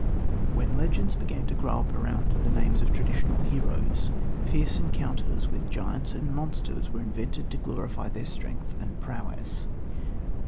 When legends began to grow up round the names of traditional heroes, fierce encounters with giants and monsters were invented to glorify their strength and prowess.